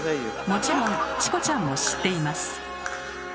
もちろんチコちゃんも知っています。